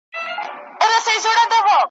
نه په زړه رازونه پخواني لري ,